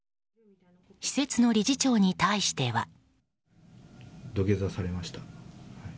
施設の理事長に対しては。